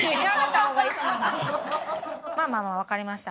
まあまあわかりました。